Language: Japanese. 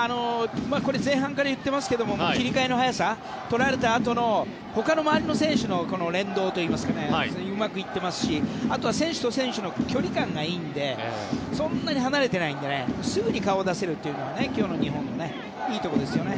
これ前半から言っていますが切り替えの速さ取られたあとのほかの周りの選手の連動といいますかうまくいっていますし、あとは選手と選手の距離感がいいのでそんなに離れてないのですぐに顔を出せるというのが今日の日本のいいところですよね。